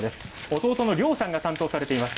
弟の諒さんが担当されています。